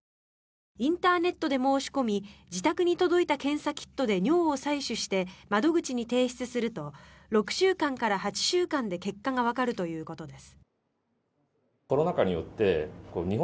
インターネットで申し込み自宅に届いた検査キットで尿を採取して窓口に提出すると６週間から８週間で結果がわかるということです。